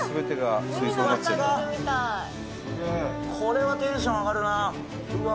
これはテンション上がるなうわ